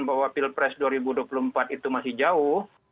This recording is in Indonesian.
bahwa pilpres dua ribu dua puluh empat itu masih jauh